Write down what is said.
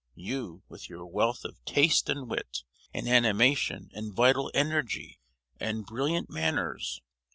You, with your wealth of taste and wit, and animation and vital energy and brilliant manners!